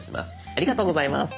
ありがとうございます。